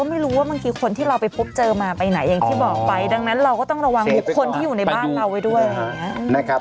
มีอยู่ไม่กี่คนที่อยู่กับฉันเพราะว่ามีอยู่แบบมีแต่ทุกคน